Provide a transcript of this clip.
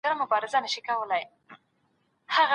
هغې د زبير بن عوام اړوند شکايت وکړ.